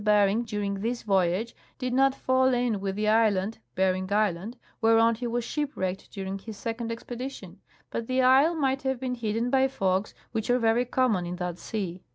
Bering during this voyage did not fall in with the island (Bering island) whereon he was shipwrecked during his second expedition ; but the isle might have been hidden by fogs, which are very common in that sea."